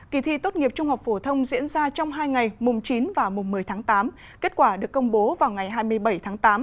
kỳ thi tốt nghiệp trung học phổ thông diễn ra trong hai ngày mùng chín và mùng một mươi tháng tám kết quả được công bố vào ngày hai mươi bảy tháng tám